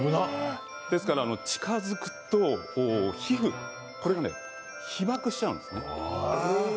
ですから近づくと皮膚、被爆してしまうんですね。